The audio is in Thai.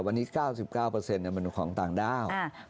วันนี้๙๙มันของต่างด้าว